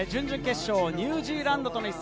準々決勝、ニュージーランドとの一戦。